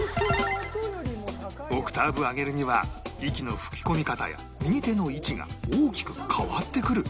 オクターブ上げるには息の吹き込み方や右手の位置が大きく変わってくる